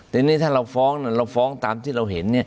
ทีนี้ถ้าเราฟ้องเราฟ้องตามที่เราเห็น